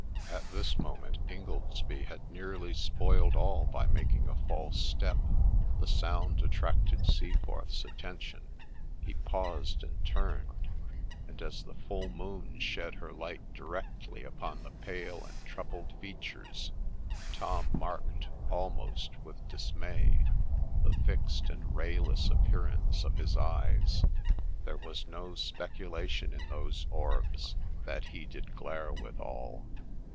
At this moment Ingoldsby had nearly spoiled all by making a false step : the sound attracted Seaforth's atten tion,— he paused and turned ; and, as the full moon shed her OF TAPPiNGTON 23 light directly upon his pale and troubled features, Tom marked, almost with dismay, the fixed and rayless appearance of his eyes :— 1 There was no speculation in those orbs That he did glare withal.'